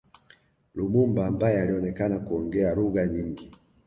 Lumumba ambaye alionekana kuongea lugha nyingi